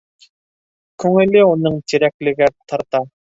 Күңеле уның Тирәклегә тарта.